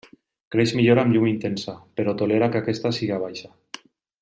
Creix millor amb llum intensa però tolera que aquesta sigui baixa.